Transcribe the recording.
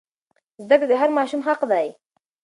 زده کړه د هر ماشوم حق دی.